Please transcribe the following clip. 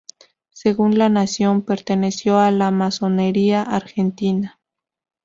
Según La Nación, perteneció a la masonería argentina.